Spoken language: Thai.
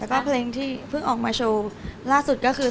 แล้วก็เพลงที่เพิ่งออกมาโชว์ล่าสุดก็คือ